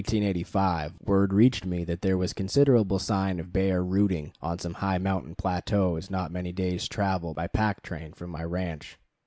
] About the middle of July, 1885, word reached me that there was considerable sign of bear "rooting" on some high mountain plateaus not many days' travel by pack train from my ranch.